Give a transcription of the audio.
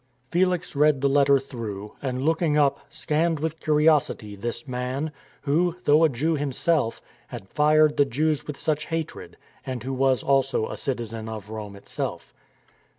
Felix read the letter through, and, looking up, scanned with curiosity this man, who, though a Jew himself, had fired the Jews with such hatred; and who was also a citizen of Rome itself.